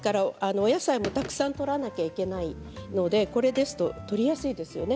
お野菜もたくさんとらなければいけないのでこれだととりやすいですよね